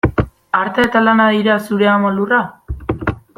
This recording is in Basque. Artea eta lana dira zure ama lurra?